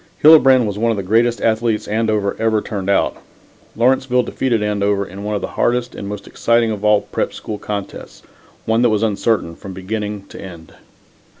Hillebrand was one of the greatest athletes Andover ever turned out. Lawrenceville defeated Andover in one of the hardest and most exciting of all Prep. School contests, one that was uncertain from beginning to end.